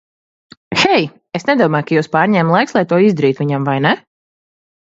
Hei, es nedomāju, ka jūs pārņēma laiks, lai to izdarītu viņam, vai ne?